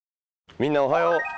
みんなおはよう。